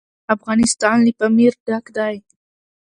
افغانستان له پامیر ډک دی.